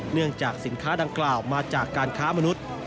เนื่องจากสินค้าดังกล่าวมาจากการค้ามนุษย์